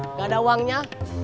gak ada uangnya